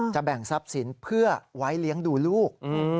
แบ่งทรัพย์สินเพื่อไว้เลี้ยงดูลูก